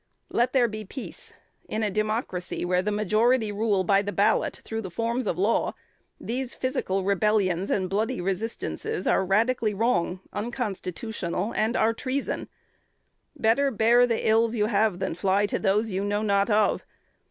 Let there be peace. In a democracy, where the majority rule by the ballot through the forms of law, these physical rebellions and bloody resistances are radically wrong, unconstitutional, and are treason. Better bear the ills you have than fly to those you know not of.